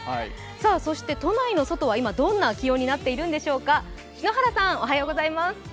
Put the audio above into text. そして都内の外は今、どんな気温になっているでしょうか。